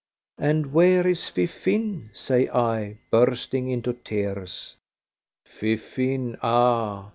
"And where is Fifine?" say I, bursting into tears. "Fifine ah!